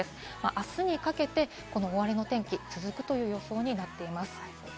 あすにかけて大荒れの天気が続くという予想になっています。